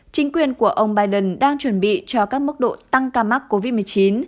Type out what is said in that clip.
chính quyền của ông biden đang chuẩn bị cho các mức độ tăng ca mắc covid một mươi chín